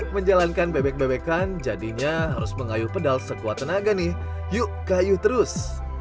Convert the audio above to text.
menjalankan bebek bebekan jadinya harus mengayuh pedal sekuat tenaga nih yuk kayu terus